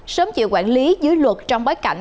sớm chịu quản lý dưới luật trong bái cảnh